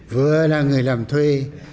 vừa là người làm thuê